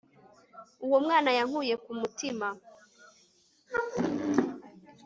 uwo mwana yanguye ku mutima